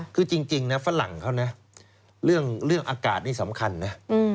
คือจริงนะฝรั่งเขานะเรื่องอากาศนี่สำคัญนะ